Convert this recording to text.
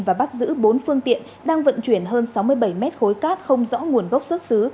và bắt giữ bốn phương tiện đang vận chuyển hơn sáu mươi bảy mét khối cát không rõ nguồn gốc xuất xứ